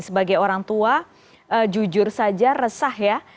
sebagai orang tua jujur saja resah ya